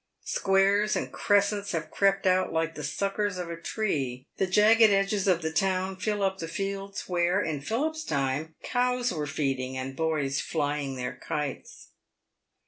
Squares and crescents have crept out like the suckers of a tree, the jagged edges of the town fill up the fields where, in Philip's time, cows were feeding and boys flying their kites.